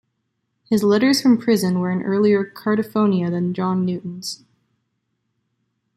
His "Letters from Prison" were an earlier "Cardiphonia" than John Newton's.